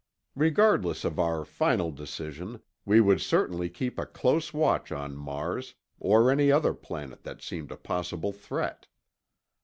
Regardless of our final decision, we would certainly keep a lose watch on Mars—or any other planet that seemed a possible threat.